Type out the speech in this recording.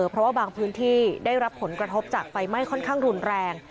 เพราะว่าบางพื้นที่ได้รับผลกระทบจากไฟไหม้ค่อนข้างรุนแรง